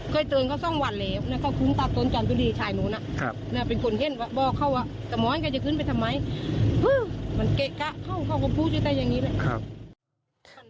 เคยเตือนเขาสองวันเลยแล้วก็คุ้มตัดต้นจามจุฬีชายโน้นเป็นคนเช่นบอกเขาว่าแต่หมอนก็จะขึ้นไปทำไมมันเกะกะเขาก็พูดอยู่แต่อย่างนี้เลย